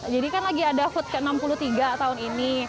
jadi kan lagi ada food camp enam puluh tiga tahun ini